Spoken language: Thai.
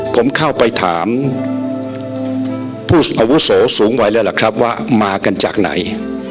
ผมเข้าไปถามผู้อาวุโสสูงวัยแล้วล่ะครับว่ามากันจากไหน